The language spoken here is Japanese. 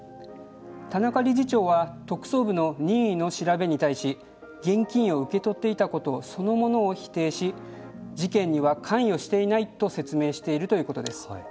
田中理事長は特捜部の任意の調べに対して現金を受け取っていたことそのものを否定し事件には関与していないと説明しているということです。